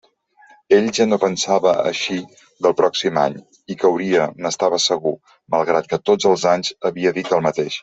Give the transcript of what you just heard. Ell ja no pensava eixir del pròxim any; hi cauria, n'estava segur, malgrat que tots els anys havia dit el mateix.